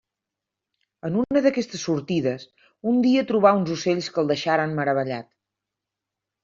En una d'aquestes sortides un dia trobà uns ocells que el deixaren meravellat.